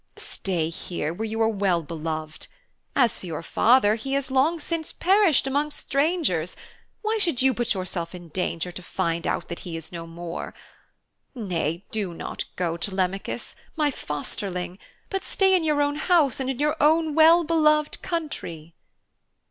Stay here where you are well beloved. As for your father, he has long since perished amongst strangers why should you put yourself in danger to find out that he is no more? Nay, do not go, Telemachus, my fosterling, but stay in your own house and in your own well beloved country.'